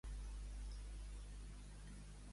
Al BonÀrea o al Veritas?